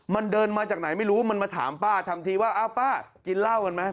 มันเดินมาจากไหนไม่รู้มันมาถามป้าทำทีว่าอ้าวป้ากินเหล้ากันไหม